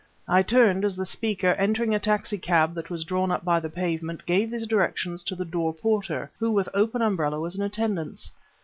I turned, as the speaker, entering a taxi cab that was drawn up by the pavement, gave these directions to the door porter, who with open umbrella was in attendance.